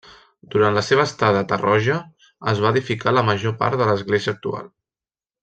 Durant la seva estada a Tarroja es va edificar la major part de l'església actual.